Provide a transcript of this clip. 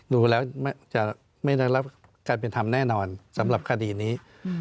ดูแล้วจะไม่ได้รับการเป็นธรรมแน่นอนสำหรับคดีนี้